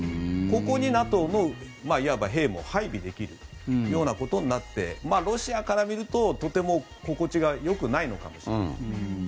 ここにＮＡＴＯのいわば兵も配備できるようなことになってロシアから見るととても心地がよくないのかもしれない。